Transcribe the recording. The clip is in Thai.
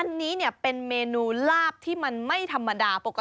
อันนี้เป็นเมนูลาบที่มันไม่ธรรมดา